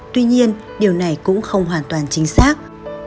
tuy nhiên điều này cũng không hoàn toàn chính xác